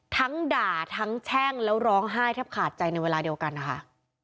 ทั้งด่าทั้งแช่งแล้วร้องไห้แทบขาดใจในเวลาเดียวกันนะคะ